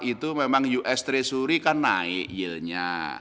itu memang us treasury kan naik yieldnya